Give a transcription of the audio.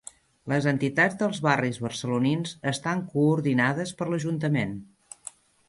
Les entitats dels barris barcelonins estan coordinades per l'Ajuntament.